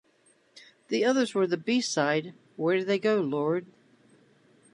The others were the B-side Where Did They Go, Lord?